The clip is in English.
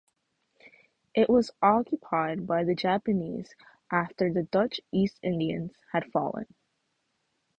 It was occupied by the Japanese after the Dutch East Indies had fallen.